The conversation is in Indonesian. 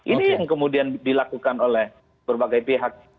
ini yang kemudian dilakukan oleh berbagai pihak